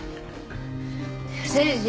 誠治。